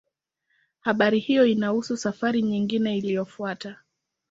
Habari hiyo inahusu safari nyingine iliyofuata.